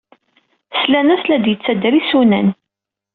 Slan-as la d-yettader isunan.